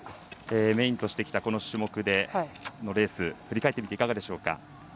メインとしてきた、この種目でこのレース、振り返っていかがでしょうか。